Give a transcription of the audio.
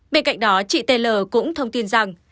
bên cạnh đó chị t l cũng thông tin rằng